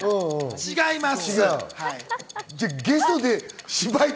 違います。